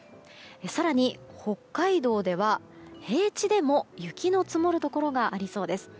更に北海道では平地でも雪の積もるところがありそうです。